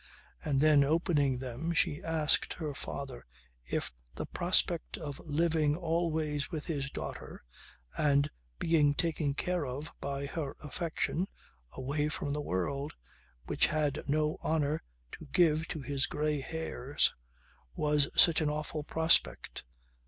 And then opening them she asked her father if the prospect of living always with his daughter and being taken care of by her affection away from the world, which had no honour to give to his grey hairs, was such an awful prospect.